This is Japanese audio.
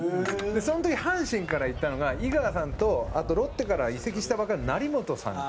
その時、阪神から行ったのが井川さんとあとロッテから移籍したばかりの成本さん